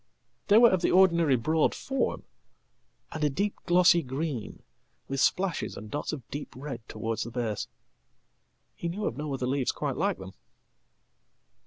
They were of the ordinary broadform, and a deep glossy green, with splashes and dots of deep red towardsthe base He knew of no other leaves quite like them.